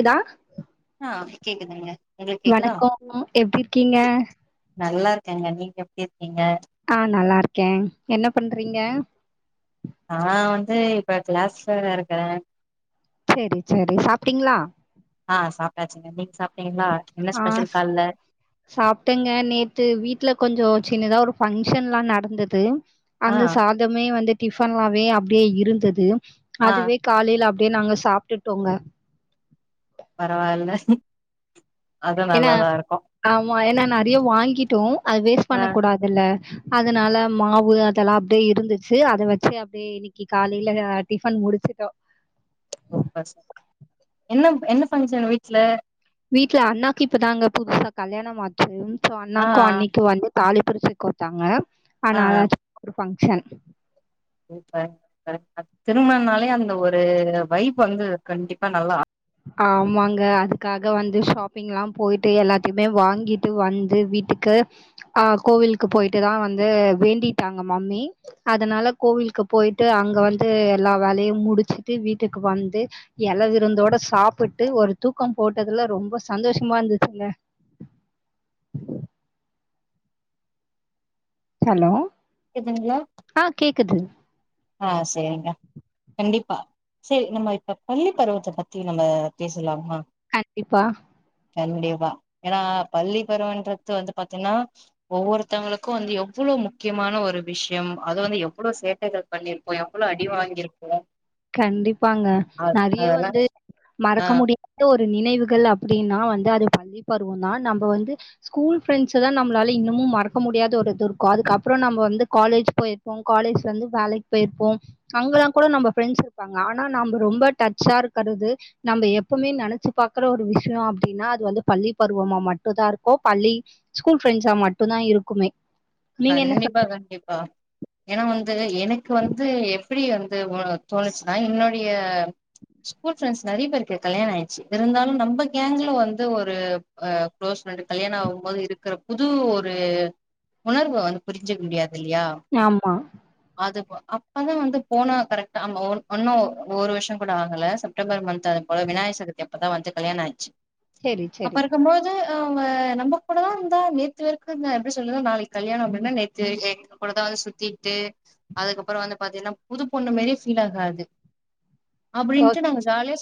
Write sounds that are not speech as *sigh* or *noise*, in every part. இதா ஆ கேக்குதுங்க உங்களுக்கு கேக்குதா வணக்கோம் எப்டி இருக்கீங்க இருக்கங்க நீங்க எப்டி இருக்கீங்க ஆ நல்லா இருக்கேன் என்ன பண்றீங்க நா வந்து இப்ப கிளாஸ்லதா இருக்கிற செரி செரி சாப்ட்டீங்ளா ஆ சாப்டாச்சுங்க நீங் சாப் ஆ சாப்ட்டங்க நேத்து வீட்ல கொஞ்சோ சின்னதா ஒரு ஃபங்க்ஷன்ல்லா நடந்துது ஆ அங்க சாதமே வந்து டிஃபன்லாவே அப்டியே இருந்தது ஆ அதுவே காலேல அப் டியே நாங்க சாப்ட்டுட்டோங்க பரவால்ல அது ஏனா நல்லாதா இருக்கு ஆமா ஏனா நெறைய வாங்கி ட்டோ அது வேஸ்ட் ஆ பண்ண கூடாதுல்ல அதனால மாவு அதெல்லாம் அப்படியே இருந்துச்சு அத வச்சு அப்படியே இன்னைக்கு காலையில டிஃபன் முடிச்சுட்டோம் சூப்பர் என்ன என்ன ஃபங்க்ஷன் வீட்ல வீட்டுல அண்ணாக்கு இப்பதாங்க புதுசா கல்யாணம் ஆச்சி ஆ அண்ணாக்கு அண்ணிக்கு வந்து தாலி பிரிச்சி கோத்தாங்க ஆ ஆனா அதாச் *unintelligible* ஃபங்க்ஷன் *unintelligible* திருமணம்னாலே அந்த ஒரு வைப் வந்து கண்டிப்பா நல்லா ஆமாங்க அதுக்காக வந்து ஷாப்பிங் எல்லாம் போயிட்டு எல்லாத்தையுமே வாங்கிட்டு வந்து வீட்டுக்கு ஆ கோவிலுக்கு போயிட்டு தான் வந்து வேண்டிட்டாங்க மம்மி அதனால கோவிலுக்கு போயிட்டு அங்க வந்து எல்லா வேலையும் முடிச்சுட்டு வீட்டுக்கு வந்து எல விருந்தோட சாப்புட்டு ஒரு தூக்கம் போட்டதுல ரொம்ப சந்தோஷமா இருந்துச்சுங்க ஹலோ கேக்குதுங்களா ஆ கேக்குது ஆ செரிங்க கண்டிப்பா செரி நம்ம இப்ப பள்ளி பருவத்த பத்தி நம்ம பேசலாமா கண்டிப்பா கண்டிப்பா ஏனா பள்ளி பருவன்றது வந்து பாத்தீங்கன்னா ஒவ்வொருத்தவங்களுக்கும் வந்து எவ்ளோ முக்கியமான ஒரு விஷயம் அது வந்து எவ்ளோ சேட்டைகள் பண்ணி ருப்போ எவ்ளோ அடி வாங்கியிருப்போ கண்டிப்பாங்க நெறைய வந்து ஆ மறக்க முடியாத ஒரு நினைவுகள் அப்படின்னா வந்து பள்ளி பருவம் தான் நம்ப வந்து ஸ்கூல் ஃபிரண்ட்ஸதா நம்மளால இன்னமும் மறக்க முடியாத ஒருது இருக்கு அதுக்கப்புறம் நம்ம வந்து காலேஜ் பொயிருப்போம் காலேஜ்ல வந்து வேலைக் போயிருப்போ அங்கெல்லாம் கூட நம்ம ஃப்ரண்ட்ஸ் இருப்பாங்க ஆனா நம்ம ரொம்ப டச்சா இருக்கிறது நம்ம எப்பவுமே நனச்சு பாக்குற ஒரு விஷயம் அப்படின்னா அது வந்து பள்ளி பருவமா மட்டும் தான் இருக்கும் பள்ளி ஸ்கூல் ஃப்ரெண்ட்ஸா மட்டும் தான் இருக்குமே நீங்க என்ன சொ கண்டிப்பா கண்டிப்பா ஏனா வந்து என க்கு வந்து எப்படி வந்து தோணுச்சுன்னா என்னுடைய ஸ்கூல் ஃப்ரெண்ட்ஸ் நெறைய பேருக்கு கல்யாண ஆகிடுச்சு இருந்தாலும் நம்ம கேங்க்ல வந்து ஒரு அ குளோஸ் ஃப்ரெண்ட் கல்யாணம் ஆகும் போது இருக்கிற புது ஒரு உணர்வ வந்து புரிஞ்சிக் முடியாது இல்லையா ஆமா அத அப்பதா வந்து போனா கரெக்டா ஒன்னும் ஒரு வருஷம் கூட ஆகல செப்டம்பர் மந்த் அது போல விநாயகர் சதுர்த்தி அப்பதான் வந்து கல்யாணம் ஆச்சு சரி அப்ப சரி இருக்கும்போது அவுங்க நம்ம கூடதா இருந்தா நேத்து பேருக்கு எப்டி சொல்லன்னா நாளைக் கல்யாணம் அப்படின்னா நேத்து எங்க கூடதான் வந்து சுத்திட்டு அதுக்கப்புறம் வந்து பாத்தீங்கன்னா புது பொண்ணு மாரியே ஃபீல் ஆகாது அப்டின்ட்டு ஓகே நாங்க ஜாலியா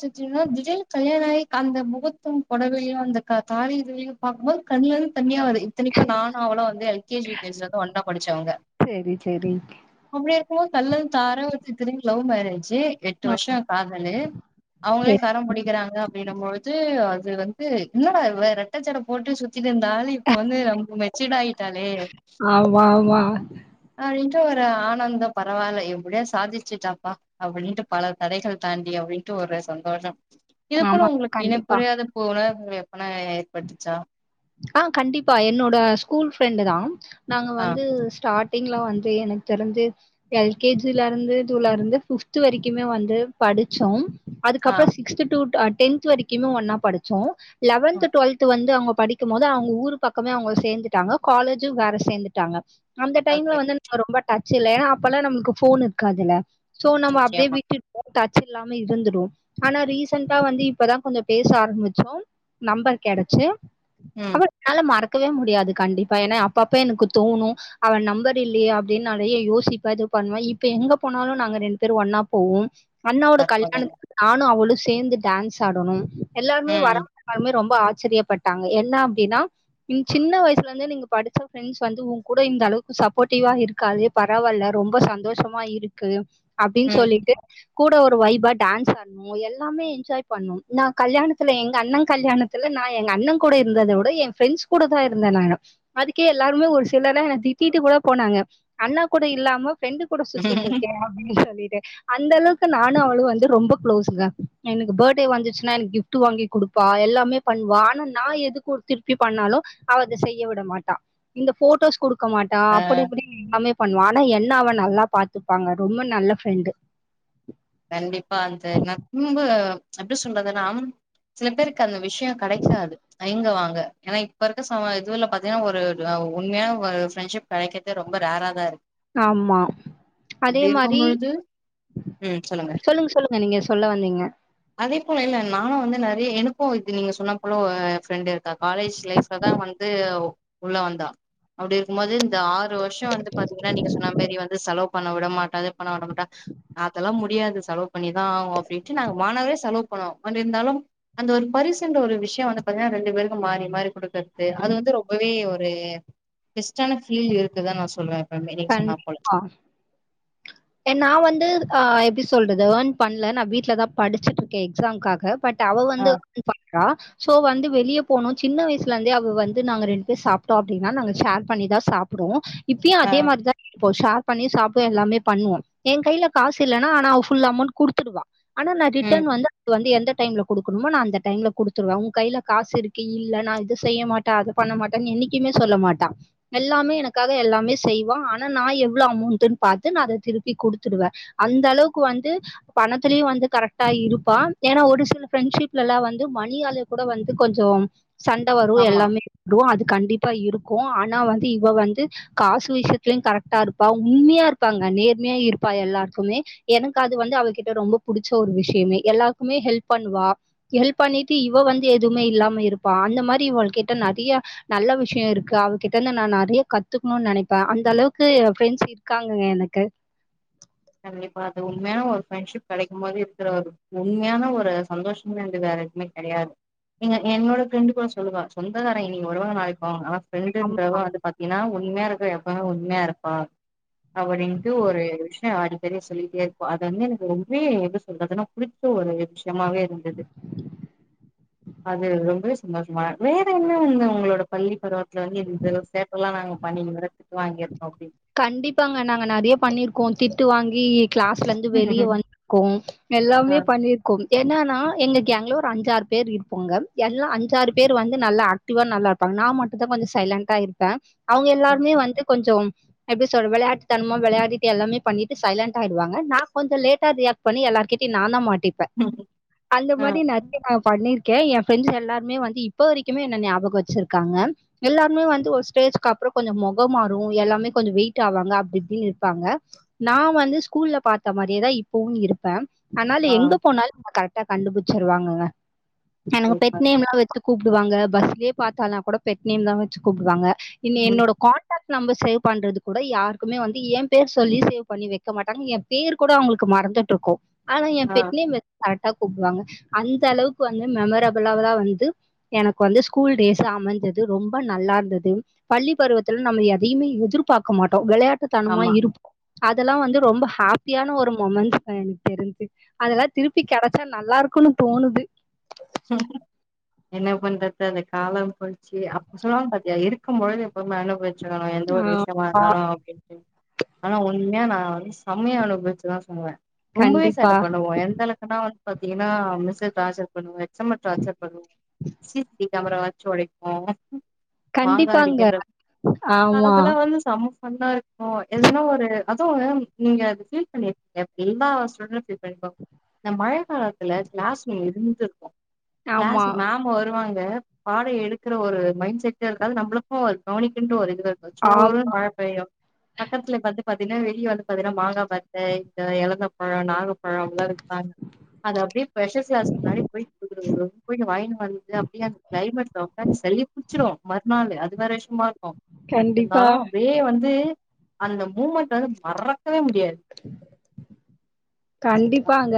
திடீல் கல்யண ஆகி அந்த முகத்து பொடவயு அந்த தாலி இதுவயு பாக்கும்போது கண்ல இருந்து தண்ணியா வருது இத்தனைக்கு நானு அவளோ வந் எல்கேஜி யுகேஜிலருந்து ஒன்னாபடிச்சவங்க சரி சரி அப்டி இருக்கும்போது கல்ல தார இத்தனைக்கு லவ் மேரேஜ் எட்டு ஆ, வருஷோ காதலு அவுங்களே சரி கரம் புடிக்கிறாங்க அப்டினபொழுது வந்து என்னடா இவ ரெட்ட ஜட போட்டு சுத்தி இருந்தாலு இப்ப வந்து ரொம்ப மெச்சூட் ஆயிட்டாலே ஆமா ஆமா என்ற ஒரு ஆனந்த பரவாயில்ல எப்டியோ சாதிச்சுட்டாப்பா அப்டின்ட்டு பல தடைகள் தாண்டி அப்டின்ட்டு ஒரு சந்தோஷம் இது போல ஆமா ஒங்ளுக்கு இன கண்டிப்பா புரியாது போல வேப்பன ஏற்பட்டச்சா ஆஹ் கண்டிப்பா என்னோட ஸ்கூல் ஃப்ரெண்டு் தா நாங்க ஆ வந்து ஸ்டார்ட் வந்து எனக்கு தெரிந்து எல்கேஜில இருந்து இதுல இருந்து பிப்து வரைக்குமே வந்து படிச்சோம் ஆ அதுக்கப்றோ சிக்ஸ்து டூ டென்த் வரைக்குமே ஒன்னா படிச்சோ ஆ லெவன்து டுவெல்து வந்து அங்க இருக்கும் போது அவங்க ஊரு பக்கமே அவங்க சேந்துட்டாங்க காலேஜு வேற சேந்துட்டாங்க அந்த டைம்ல ஓகே வந்து நா ரொம்ப டச் இல்ல ஏனா அப்பெல்லா நம்ளுக்கு ஃபோன் இருக்காதுல்ல சோ நம்ப அப்டியே நிச்சயமா விட்டுட் *inaudible* இல்லாம இருந்துடு ஆனா ரீசன்டா வந்து இப்பதா கொஞ்சோ பேச ஆரம்பிச்சோம் நம்பர் கெடச்சி ம் அவள் உன்னால மறக்கவே முடியாது கண்டிப்பா ஏனா அப்பப்ப எனக்கு தோனு அவ நம்பர் இல்லையே அப்டின்னு நெறையா யோசிப்பே இது பண்வே இப்ப எங்க போனாலு நாங்க ரெண்டு பேரு ஒன்னா போவோம் அண்ணாவோட அற்புதங்க கல்யாணத்துக்கு நானு அவளு சேந்து டான்ஸ் ஆடனும் எல்லாருமே ம் வரவங்க எல்லாருமே ரொம்ப ஆச் ச்சரியப்பட் டாங்க என்ன அப்டின்னா ம் சின்ன வயசுல இருந்தே நீங்க படிச்ச ஃப்ரண்ட்ஸ் வந்து உன் கூட இந்த அளவுக்கு சப்போர்ட்டிவ்வா இருக்களே பரவால்ல ரொம்ப சந்தோஷமா இருக்கு அப்டின் ம் சொல்லிட்டு கூட ஒரு வைபா டான்ஸ் ஆடணு எல்லாமே என்ஜாய் பண்ணு நா கல்யாணத்துல எங்க அண்ண கல்யாணத்துல நா எங்க அண்ண கூட இருந்தத விட என் ஃப்ரண்ட்ஸ் கூட தா இருந்த நா அதுக்கே எல்லாருமே ஒரு சிலருலா என்ன திட்டிட்டு கூட போனாங்க அண்ணா கூட இல்லாம ஃப்ரெண்ட் கூட சுத்திட்டு இருக்கே அப்டின் சொல்லிட் அந்த அளவுக்கு நானு அவு வந்து ரொம்ப க்ளோஸ்சுங்க எனக்கு பர்த்டே வந்துச்சுன்னா எனக்கு கிஃப்ட் வாங்கி குடுப்பா எல்லாமே பண்ணுவா ஆனா நா எதுக்கு திருப்பி பண்ணாலு அவ செய்ய விட மாட்டா இந்த போட்டோஸ் குடுக் இருக்க மாட்டா அப்டி இப்டின் எல்லாமே பண்ணுவா ஆனா என்ன அவ நல்லா பாத்துப்பாங்க ரொம்ப நல்ல ஃப்ரெண்டு கண்டிப்பா அந்த *unintelligible* ரொம்ப எப்டி சொல்றதுன்னா சில பேருக்கு அந்த விஷ்யோ கெடைக்காது தயங்குவாங்க ஏன்னா இப்ப இருக்க சம இதுல பாத்தீங்கன்னா ஒரு உண்மையான ஒரு ஃப்ரெண்ட்ஷிப் கெடைக்கிரதே ரொம்ப ரேரா தா இருக் ஆமா அதே இருக்கும் மாரி பொழுது சொல்லுங்க சொல்லுங்க நீங்க சொல்ல வந்தீங்க அதே போல இல்ல நானு வந்து நெறைய எனக்கு இது நீங்க சொன்ன போல ஃப்ரெண்டு இருக்க காலேஜ் லைஃப்ல தா வந்து உள்ள வந்தா அப்டி இருக்கும்போது இந்த ஆறு வருஷோ வந்து பாத்தீங்கன்னா நீங்க சொன்ன மாரி வந்து செலவு பண்ண விட மாட்டாததே பண்ண விட மாட்டா அதெல்லா முடியாது செலவு பண்ணிதா ஆவோ அப்டின்ட்டு நாங்க மாணவரியா செலவு போனோ அப்டி இருந்தாலு அந்த ஒரு பரிசு என்ற ஒரு விஷ்யோ வந்து பாத்தீன்னா ரெண்டு பேருக்கு மாறி மாறி கொடுக்குறது அது வந்து ரொம்பவே ஒரு பெஸ்ட்டான பீல் இருக்குதா நா சொல்வே ம் *unintelligible* போல நா வந்து ஆ எப்டி சொல்றது ஏர்ன் பண்ணல நா வீட்லதா படிச்சுட்டு இருக்கே எக்ஸாம்காக பட் அவ ஆ வந்து வொர்க் பண்றா ஸோ வந்து வெளிய போனோ சின்ன வயசுல இருந்தே அவ வந்து நாங்க ரெண்டு பேர் சாப்டோ அப்டின்னா நாங்க ஷேர் பண்ணிதா சாப்டுவோ இப்பியு ஆ அதே மாரிதா போ ஷேர் பண்ணி சாப்டுவோ எல்லாமே பண்ணுவோ என் கையில காசுல்லைன்னா ஆனா அவ ஃபுல் அமௌண்ட் குடுத்துடுவா ஆனா நா ம் ரிட்டர்ன் வந்து அது வந்து எந்த டைம்ல குடுக்கணுமோ நா அந்த டைம்ல குடுத்துடுவ உன் கையில காசு இருக்கு இல்ல நா இத செய்ய மாட்ட அத பண்ண மாட்டனு என்னைக்குமே சொல்ல மாட்ட எல்லாமே எனக்காக எல்லாமே செய்வா ஆனா நா எவ்ளோ அமௌன்டுனு பாத்து நா அத திருப்பி குடுத்துடுவே அந்த அளவுக்கு வந்து பணத்துலயு வந்து கரெக்டா இருப்பா ஏன்னா ஒரு சில ஃப்ரெண்ட்ஷிப்லலா வந்து மணியால கூட வந்து கொஞ்சோ சண்ட வரு ஆமா எல்லாமே *inaudible* அது கண்டிப்பா இருக் க்கு ஆனா வந்து இவ வந்து காசு விஷ்யத்துலையு கரேக்டா இருப்பா உண்மையா இருப்பாங்க நேர் னே இருப்பா எல்லாருக்குமே எனக்கு அது வந்து அவகிட்ட ரொம்ப புடிச்ச ஒரு விஷ்யமே எல்லாருக்குமே ஹெல்ப் பண்ணுவா ஹெல்ப் பண்ணிட்டு இவ வந்து எதுவுமே இல்லாம இருப்பா அந்த மாரி இவ கிட்ட நறைய நல்ல விஷ்யோ இருக்கு அவகிட்ட இருந்து நா நறைய கத்துக்கணும்னு நெனைப்பே அந்த அளவுக்கு என் ஃப்ரெண்ட்ஸ் இருக்காங்கங்க எனக்கு கண்டிப்பா அது உண்மையான ஒரு ஃப்ரெண்ட்ஷிப் கெடைக்கு போது இருக்கிற ஒரு உண்மையான ஒரு சந்தோஷமே வந்து வேற எதுவுமே கெடையாது நீங்க என்னோட ஃப்ரெண்டு கூட சொல்லுவா சொந்தக்காரன் இன்னைக்கி வருவாங்க நாளைக்கி போவாங்க ஆன அம் ரெண்டுன்றவ அது பாத்தீனா உண்மயா இரு ப்ப எப்பமே உண்மையா இருப்பா அப்டின்ட்டு ஒரு விஷ் ஆடி பேர சொல்லிட்டே இருப்பா அது வந்து எனக்கு ரொம்வே எது சொல்றது அதன புடிச்ச ஒரு விஷ்யமாவே இருந்தது அது ரொம்பவே சும்மா சும்மா வேற என்ன வந்து ஒங்களோட பள்ளி பருவத்துல வந்து இந்த சேட்டெல்லா நாங்க பண்ணி எவ்ளோ திட்டு வாங்கி கண்டிப்பாங்க நாங்க நெறையா பண்ணிருக்கோ திட்டு வாங்கி கிளாஸ்ல இருந்து வெளிய அப்டின்னு வந்துருக்கோம் ஆ எல்லாமே பண்ணிருக்கோம் என்னானா எங்க கேங்ல ஒரு அஞ்சார் பேரு இருப்போங்க எல்லா அஞ்சாறு பேரு வந்து நல்லா ஆக்டிவா நல்லா இருப்பாங்க நா மட்டுதா கொஞ்சோ சைலண்டா இருப்பே அவங்க எல்லாருமே வந்து கொஞ்சொம் எப்டி சொல் விளையாட் தனமா விளையாடிட்டு எல்லாமே பண்ணிட்டு சைலண்டா ஆயிடுவா நா கொஞ்சொ லேட்டா ரியாக்ட் பண்ணி எல்லார்கிட்டையு நான்தா மாட் டிப்ப அந்த ஆ மாரி நறையா பண்ணிருக்கேன் என் ஃப்ரண்ட்ஸ் எல்லாருமே வந்து இப்ப வரைக்குமே என்ன ஞாபகம் வச்சிருக்காங்க எல்லாருமே வந்து ஒரு ஸ்டேஜக்கு அப்புறம் கொஞ்சொ மொக மாறும் எல்லாமே கொஞ்சொ வெயிட் ஆவாங்க அப்டி இப்டின்னு இருப்பாங்க நான் வந்து ஸ்கூல்ல பாத்த மாரியேதான் இப்பவும் இருப்பேன் ஆனால ஆ எங்க போனாலும் கரெ க்டா கண்டுபிச்சிருவாங்கங்க எனக்கு சூப்பர் பெட்னேம்லா வச்சு கூப்டுவாங்க பஸ்லேயே பாத்தாலனா கூட பெட்னேம் தான் வச்சு கூப்டுவாங்க இன் ம் என்னோட காண்டாக் நம்ப சேவ் பண்றது கூட யாருக்குமே வந்து என் பேர் சொல்லி சேவ் பண்ணி வைக்க மாட்டாங்க என் பேர் கூட அவங்களுக்கு மறந்துட்டு இருக்கும் ஆனா என் ஆ பெட்னேம் *unintelligible* தா கூப்வாங்க அந்த அளவுக்கு வந்து மெமரபிளதான் வந்து எனக்கு வந்து ஸ்கூல் டேஸ் அமைஞ்சது ரொம்ப நல்லா இருந்தது பள்ளி பருவத்துல நம்ம எதையுமே எ திர் பாக்கமாட்டோ விளையா *unintelligible* தனமா ஆமா இருப்போ அதெல்லாம் வந்து ரொம்ப ஹாப்பியான ஒரு மொமெண்ட் எனக்கு தெரிஞ்சு அதெல்லாம் திருப்பி கெடைச்சா நல்லா இருக்கும்ன்னு தோணுது என்ன பண்றது அந்த காலம் போச்சு அப்ப சொல்லுவானு பாத்தியா இருக்கும் பொழுது ரொம்ப அனுபவிச்சுக்கணும் எந்த ஒரு விஷயமா ஆமா இருந்தாலும் அப்டின்ட்டு ஆனா உண்மையா நா *unintelligible* செமைய அனுபவிச்சுதான் சொல்லுவேன் ரொம்பவே கண்டிப்பா. சட்டை பண்ணுவோம் எந்த அளக்குனா வ பத்தீங்கன்னா மிஸு டார்ஜர் பண்ணுவே வசமா டார்ச்சர் பண்ணுவோ சி சி டி கேமராச்சு ஒழைக்கு கண்டிப்பாங்க ஆமா அதெல்லா வந்து செம்ம ஃபன்னா இருக்கும் எதுனா ஒரு அதுவும் நீங்க அது ஃபீல் பண்ணிருக் எப்டி எல்லா ஸ்டூடண்ட் ஃபீல் பண்ணிருப்பாங்க இந்த மழை காலத்துல கிளாஸ்ங்க இருந்து இருக்கோ கிளாஸ் ஆமா. மேம் வருவாங்க க பாட எடுக்கற ஒரு மைண்ட் செட் இருக்காது நம்மளுக்கும் கவனிக்கென்று ஒரு இது இருக்காது ஆம். சோருனு மழ பெய்யு பக்கத்துலே பாத்து பாத்தீங்கன்னா வெளிய வந்து பாத்தீங்கன்னா மாங்கா பத்த இந்த எழந்த பழோ நாகப்பழோ அந்த மாரிஇருக்கா அது அப்டியே ஸ்பெஷல் க்ளாஸ் முன்னாடி பெய் குடு குடுனு போய் நீ வாயின்னு வந்து அப்டியே அந்த க்ளைமேட்ல ஒக்காந்து சளி புடுச்சுரூ மறுநாளு அது வேற விஷ்யமா க்கு கண்டிப்பா இருந்தாலு அப்டியே வந்து அந்த மூமெண்ட் வந்து மறக்கவே மு டியாது கண்டிப்பாங்க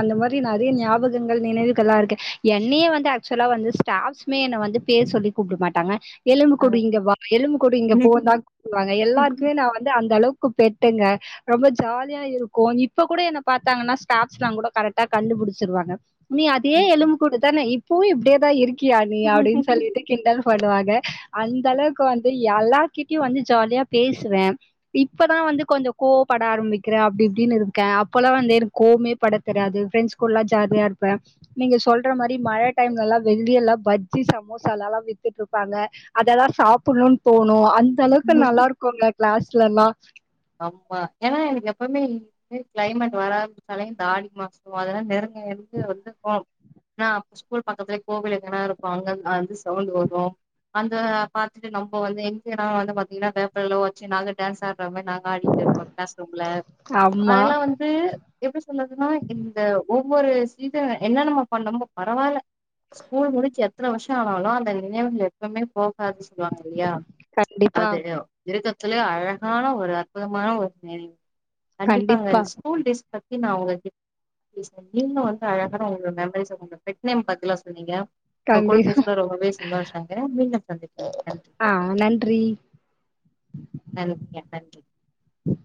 அந்த மாரி நெறைய ஞாபகங்கள் நினைவுகள்ல்லா இருக்கு என்னையே வந்து ஆக்சுவலா வந்து ஸ்டாஃப்ஸ்மே என்ன வந்து பேர் சொல்லி கூப்ட மாட்டாங்க எலும்பு ஆ கூடு இங்க வா எலும்பு கூடு இங்க போ னுதா கூப்டுவாங்க எல்லாருக்குமே நா வந்து அந்த அளவுக் கூ பெட்டுங்க ரொம்ப ஜாலியா இருக்கூ இப்பக் கூட என்ன பாத்தாங்கனா ஸ்டாப்ஸ்லா கூட கரெக்டா கண்டுபுடிச்சுருவாங்க நீ அதே எலும்பு கூடு தானே இப் பவு இப்டியேதா இருக் கியா நீ அப்டினு சொல்லிட்டு கிண்டல் பண்ணுவாங்க அந்த அளவுக்கு வந்து எல்லாகிட்டயு வந்து ஜாலியா பேசுவே இப்பதா வந்து கொஞ்சோ கோவப்பட ஆரம்பிக்கிறே அப்டி இப்டின்னு இரு க்க அப்பலா வந்து எனக்கு கோவமே பட தெரியாது ஃப்ரண்ட்ஸ் கூடலா ஜாலியா இருப்பே நீங்க சொல்ற மாரி மழ டைம்லலா வெளிய எல்லா பஜ்ஜி சமோசா அதெல்லாம வித்துட்டு இருப்பாங்க அதெல்லா சாப்டணுனு தோணு அந்த அளவுக்கு நல்லா இருக்குங்க க்ளாஸ்லலா ஆம்மா ஏன்னா எனக்கு எப்பவுமே இந்த மாரி க்ளைமேட் வர ஆரம்பிச்சாலே இந்த ஆடிமாசோ அதெல்லா நெருங் ய இது வந்துருக்கூ ஆ அப்ப ஸ்கூல் பக்கத்துலயே கோவில் எங்கனாருக்கு அங்கரு அந்த சவுண்ட்டுவரூ அத பாத்துட்டு நம்போ வந்து எங்க வந்து பாத்தீங்கன்னா பேப்பர்லா வச்சு நாங்க டான்ஸ் ஆட்ற மாரி நா ஆடிட்ருப்போ க்ளாஸ் ரூம்ல ஆமா அதெல்லா வந்து எப்டி சொல்றதுன்னா இந்த ஒவ்வொரு சீசன் என்ன நம்ம பண்ணமோ பரவால்ல ஸ்கூல் முடிச்சு எத்தன வருஷோ ஆனாலு அந்த நினைவுகள் எப்வுமே போக து சொல்லுவாங்க இல்லையா கண்டிப்பா அது இருக்க த்துலே அழகான ஒரு அற்புதமான ஒரு நினைவு கண்டிப்பாங்க கண்டிப்பா அந்த ஸ்கூல் டேஸ் பத்தி நா உங்க கிட்ட பேசுனே நீங்களு வந்து அழகா உங்க மெமரிஸ்ஸ பெட் நேம் பத்திலா சொன்னீங்க உங்க கூட கண்டி பேசுறா ரொம்பவே சந்தோஷாங்க மீண்டும் சந்திக்காங்க நன்றி ஆ நன்றி நன்றி நன்றி ம்